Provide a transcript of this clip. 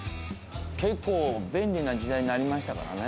結構便利な時代になりましたからね。